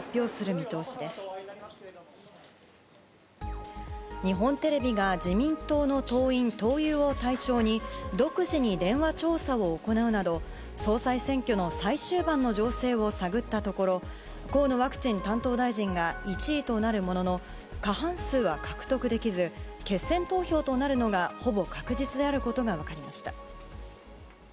日本テレビが自民党の党員・党友を対象に独自に電話調査を行うなど総裁選挙の最終盤の情勢を探ったところ河野ワクチン担当大臣が１位となるものの過半数は獲得できず決選投票となるのがほぼ確実であることが分かりました。